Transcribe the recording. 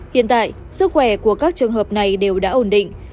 hiện tại sức khỏe của các trường hợp này đều đã ổn định